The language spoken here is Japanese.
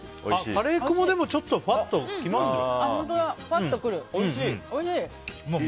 カレー粉もちょっとふわっときますよ。